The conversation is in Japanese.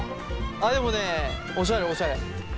でもねおしゃれおしゃれ。